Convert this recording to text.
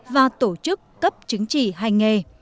và tổ chức cấp chứng chỉ hành nghề